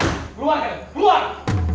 berluar am berluar